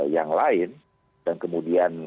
yang lain dan kemudian